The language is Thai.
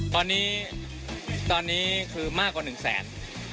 ตอนนี้ตอนนี้คือมากกว่า๑แสน